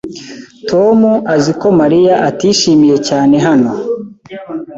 Tom azi ko Mariya atishimiye cyane hano.